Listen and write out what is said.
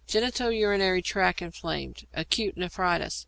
Genito urinary tract inflamed. Acute nephritis.